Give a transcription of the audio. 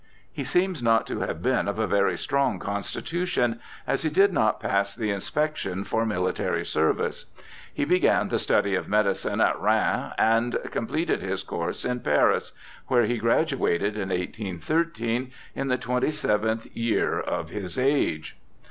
He seems not to have been of a very strong constitu tion, as he did not pass the inspection for military service. He began the study of medicine at Rheims, LOUIS 191 and completed his course in Paris, wliere he graduated in 1813, in the twenty seventh year of his age.